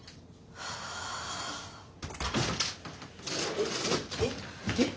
えっ？えっ？えっ？えっ？